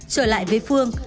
trở lại với phương